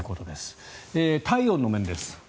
体温の面です。